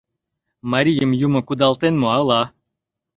Марийым Юмо кудалтен мо, ала?